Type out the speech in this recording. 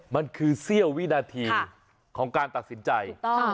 มันคือเสี้ยววินาทีของการตัดสินใจ